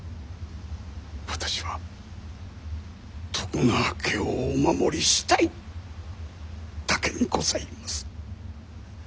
私は徳川家をお守りしたいだけにございます！